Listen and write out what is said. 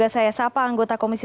selamat sore mbak putri